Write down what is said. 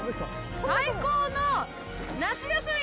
最高の夏休み。